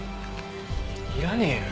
いらねえよ。